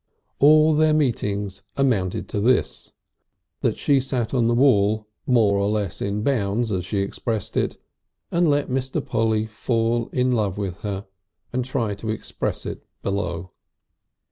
All their meetings amounted to this, that she sat on the wall, more or less in bounds as she expressed it, and let Mr. Polly fall in love with her and try to express it below.